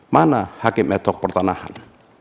mana hakim ad hoc pertanahan